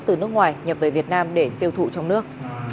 từ nước ngoài nhập về việt nam để tiêu thụ trong nước